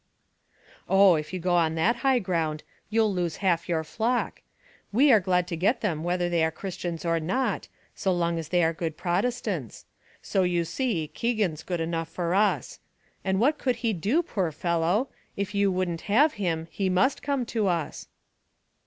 "Oh, if you go on that high ground, you'll lose half your flock. We are glad to get them whether they are Christians or not, so long as they are good Protestants; so you see Keegan's good enough for us; and what could he do, poor fellow? if you wouldn't have him, he must come to us."